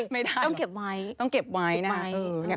ไม่ได้เหรอต้องเก็บไว้นะฮะเอออย่างนี้